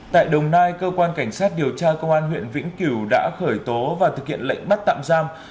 tại đồng nai cơ quan cảnh sát điều tra công an huyện vĩnh cửu đã khởi tố và thực hiện lệnh bắt tạm giam